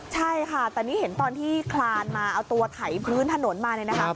ใช่ค่ะตอนนี้เห็นตอนที่คลานมาเอาตัวไถบื้นถนนมาเลยนะครับ